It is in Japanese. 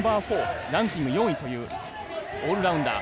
ランキング４位というオールラウンダー。